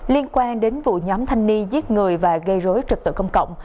liên quan đến vụ nhóm thanh ni giết người và gây rối trực tự công cộng